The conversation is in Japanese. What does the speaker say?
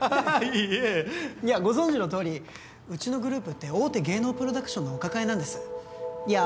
いいえいやご存じのとおりうちのグループって大手芸能プロダクションのお抱えなんですいや